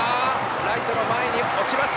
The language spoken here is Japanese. ライトの前に落ちます。